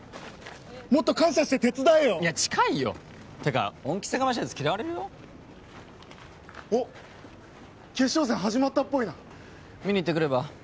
もっと感謝して手伝えよいや近いよてか恩着せがましいやつ嫌われるよおっ決勝戦始まったっぽいな見にいってくれば？